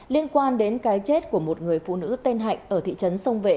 liên quan đến cái chết của một người phụ nữ tên hạnh ở thị trấn sông vệ